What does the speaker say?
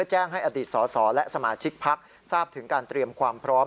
แจ้งให้อดีตสสและสมาชิกพักทราบถึงการเตรียมความพร้อม